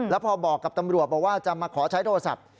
แล้วพอบอกกับตำรวจบอกว่าจะมาขอใช้โทรศัพท์